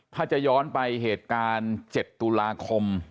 ถ้าจะย้อนไปเหตุการณ์๗ตุลาคม